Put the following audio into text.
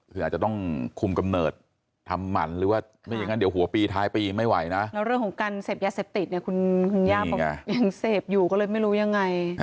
คืออาจจะต้องคุมกำเนิดทำหมั่น